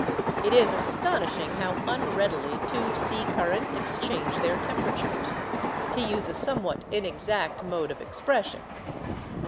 It is astonishing how unreadily two sea currents exchange their temperatures—to use a somewhat inexact mode of expression.